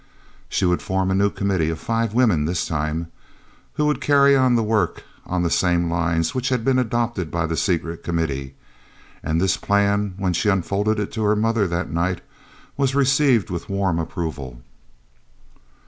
She would form a new Committee, of five women this time, who would carry on the work on the same lines which had been adopted by the Secret Committee, and this plan, when she unfolded it to her mother that night, was received with warm approval.